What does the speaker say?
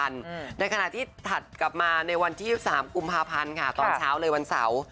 ในขณะที่ถัดกลับมาในวันที่๒๓กพตอนเช้าเลยในวันเสา